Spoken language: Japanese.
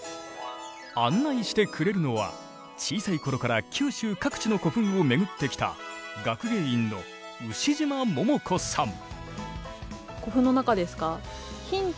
案内してくれるのは小さい頃から九州各地の古墳を巡ってきた学芸員の牛島桃子さん。